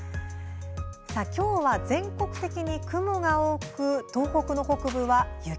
今日は全国的に雲が多く東北の北部は雪